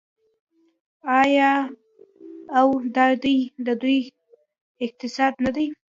آیا او دا دی د دوی اقتصاد نه دی؟